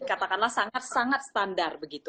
katakanlah sangat sangat standar